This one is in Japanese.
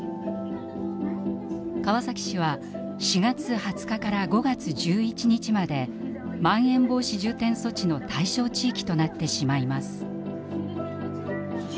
川崎市は４月２０日から５月１１日までまん延防止重点措置の対象地域となってしまいます。